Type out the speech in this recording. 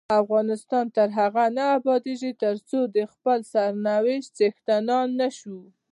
افغانستان تر هغو نه ابادیږي، ترڅو د خپل سرنوشت څښتنان نشو.